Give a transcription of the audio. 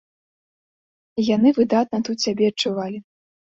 Яны выдатна тут сябе адчувалі.